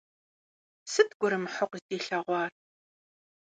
Сыт гурымыхьу къыздилъэгъуар?